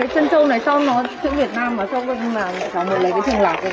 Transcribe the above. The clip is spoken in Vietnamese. cái chân trâu này sao nó chữ việt nam